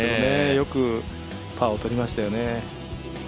よくパーを取りましたよね。